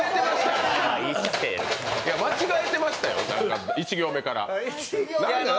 間違えてましたよ、１行目から。